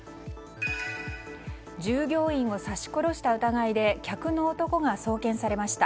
従業員を刺し殺した疑いで客の男が送検されました。